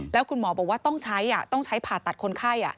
แล้วคุณหมอบอกว่าต้องใช้ต้องใช้ผ่าตัดคนไข้